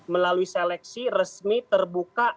melalui seleksi resmi terbuka